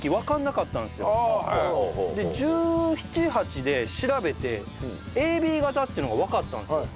１７１８で調べてＡＢ型っていうのがわかったんですよ。